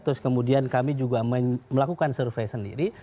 terus kemudian kami juga melakukan survei sendiri